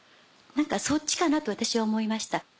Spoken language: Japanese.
そっちかなと私は思いました。